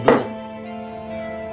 duduk di kursi